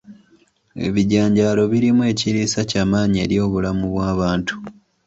Ebijanjaalo birimu ekiriisa ky'amaanyi eri obulamu bw'abantu